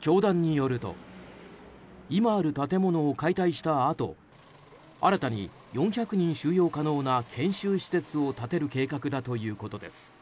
教団によると今ある建物を解体したあと新たに、４００人収容可能な研修施設を建てる計画だということです。